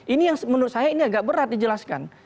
ini yang menurut saya ini agak berat dijelaskan